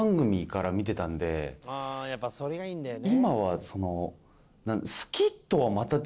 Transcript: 「ああやっぱそれがいいんだよね」